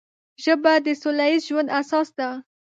ژبه د سوله ییز ژوند اساس ده